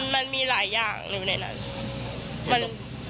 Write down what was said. มันมีหลายอย่างอยู่ในนั้น